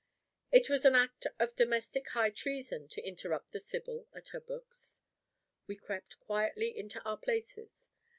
It was an act of domestic high treason to interrupt the Sibyl at her books. We crept quietly into our places.